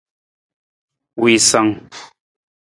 Wiisung.